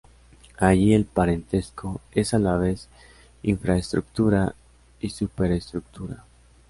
Allí el parentesco es a la vez infraestructura y superestructura.